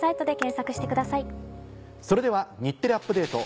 それでは『日テレアップＤａｔｅ！』